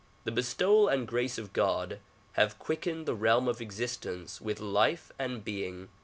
The bestowal and grace of God have quickened the realm of existence with life and being.